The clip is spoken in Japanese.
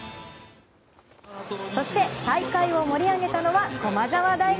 そして、大会を盛り上げたのは駒澤大学。